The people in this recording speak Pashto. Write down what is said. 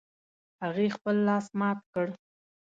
هغې خپل لاس مات کړ